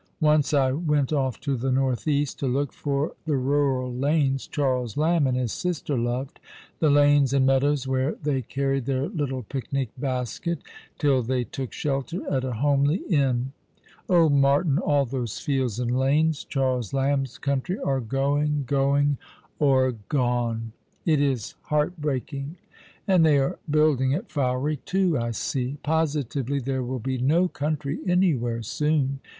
Once I went off to the north east, to look for the rural lanes Charles Lamb and his sister loved — the lanes and meadows where they carried their little picnic basket, till they took shelter at a homely inn. Oh, Martin, all those fields and lanes, Charles io8 All along the River. Lamb's country — are going, going, or gone ! It is heart breaking! And they are building at Fowey, too, I see. Positively there will be no country anywhere soon.